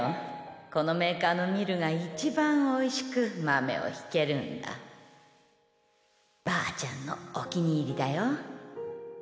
このメーカーのミルがいちばんおいしく豆をひけるんだばあちゃんのお気に入りだよ